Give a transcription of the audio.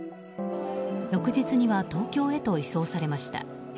翌日には東京へと移送されました。